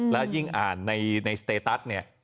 แล้วยิ่งอ่านในสเตตัสเนี่ย